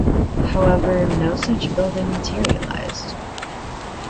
However, no such building materialised.